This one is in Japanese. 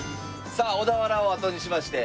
さあ小田原をあとにしまして。